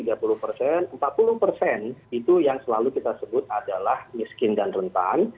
nah lalu dua puluh tiga puluh empat puluh itu yang selalu kita sebut adalah miskin dan rentan